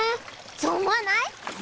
そう思わない？